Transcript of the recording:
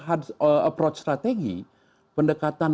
approach strategi pendekatan